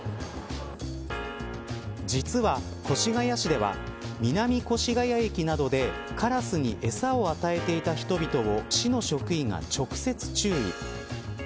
実は、越谷市では南越谷駅などでカラスに餌を与えていた人々を市の職員が直接注意。